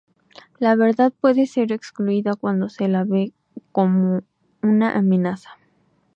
La verdad puede ser excluida cuando se la ve como una amenaza.